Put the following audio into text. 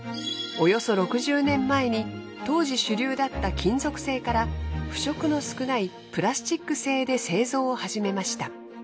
およそ６０年前に当時主流だった金属製から腐食の少ないプラスチック製で製造を始めました。